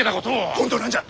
本当なんじゃ！